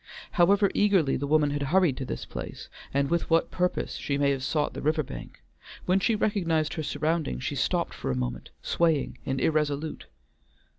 However eagerly the woman had hurried to this place, and with what purpose she may have sought the river bank, when she recognized her surroundings she stopped for a moment, swaying and irresolute.